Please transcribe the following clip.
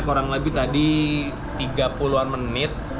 kurang lebih tadi tiga puluh an menit